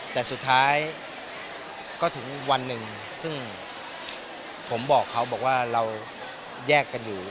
แต่สุดท้ายก็ถึงวันหนึ่งซึ่งผมบอกเขาบอกว่าเราแยกกันอยู่